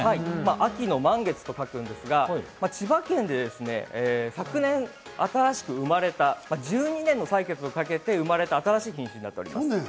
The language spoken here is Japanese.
秋の満月と書きますが、千葉県で昨年新しく生まれた１２年の歳月をかけて生まれた、新しい品種です。